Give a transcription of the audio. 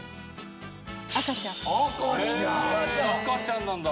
「赤ちゃん！」